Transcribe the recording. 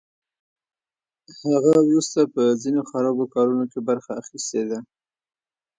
هغه وروسته په ځینو خرابو کارونو کې برخه اخیستې ده